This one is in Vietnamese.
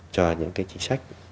cho những cái chính sách